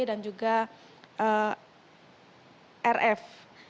yang terakhir di antaranya adalah dengan inisial actpbsmlfg